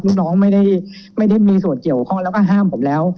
ลูกน้องไม่ได้มีส่วนเกี่ยวข้องแล้วก็ห้ามผมแล้ว